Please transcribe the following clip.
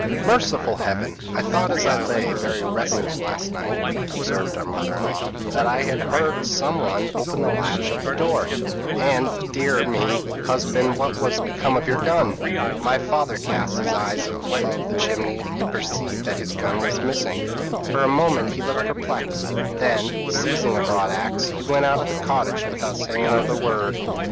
p> "'Merciful Heaven! I thought, as lay very restless last night,' observed our mother in law, 'that I heard somebody open the latch of the door; and, dear me, husband, what has become of your gun?' "My father cast his eyes up above the chimney, and perceived that his gun was missing. For a moment he looked perplexed; then, seizing a broad axe, he went out of the cottage without saying another word.